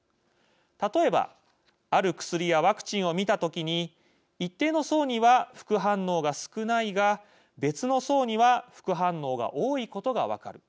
例えばある薬やワクチンを見た時に一定の層には副反応が少ないが別の層には副反応が多いことが分かる。